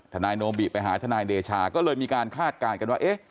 ทนายโนบิไปหาทนายเดชาก็เลยมีการคาดการณ์กันว่าเอ๊ะ